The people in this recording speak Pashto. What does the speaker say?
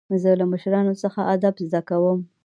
زه له مشرانو څخه ادب زده کوم.